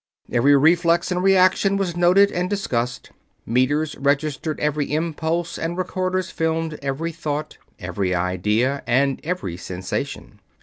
Every reflex and reaction was noted and discussed. Meters registered every impulse and recorders filmed every thought, every idea, and every sensation.